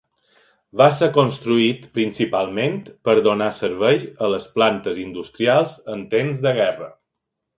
Va ser construït principalment per donar servei a les plantes industrials en temps de guerra.